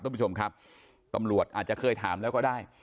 คุณผู้ชมครับตำรวจอาจจะเคยถามแล้วก็ได้